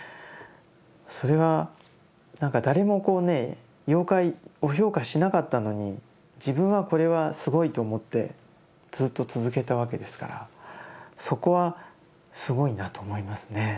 それはなんか誰もこうね妖怪を評価しなかったのに自分はこれはすごいと思ってずっと続けたわけですからそこはすごいなと思いますね